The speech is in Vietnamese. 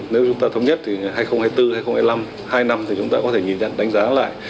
nếu chúng ta thống nhất thì hai nghìn hai mươi bốn hai nghìn hai mươi năm hai năm thì chúng ta có thể nhìn nhận đánh giá lại